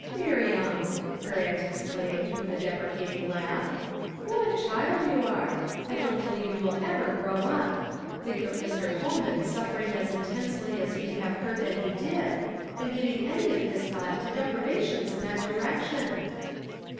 "Miriam!" her aunt exclaimed, with a depre cating laugh; "what a cliild you are! I dcm't believe you will ever grow up. Think of Mr. ITolman suffering as intensely as we have heard that he did, and giving any of his thought to deprivations in that direction